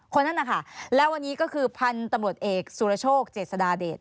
คนนั้นนะคะแล้ววันนี้ก็คือพันธุ์ตำรวจเอกสุรโชคเจษฎาเดช